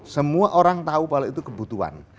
semua orang tahu bahwa itu kebutuhan